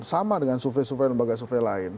sama dengan survei survei lembaga survei lain